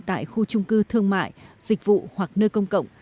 tại khu trung cư thương mại dịch vụ hoặc nơi công cộng